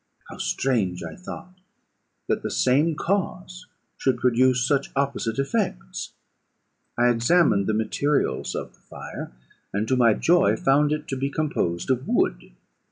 How strange, I thought, that the same cause should produce such opposite effects! I examined the materials of the fire, and to my joy found it to be composed of wood.